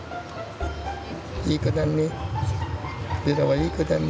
いい子だね。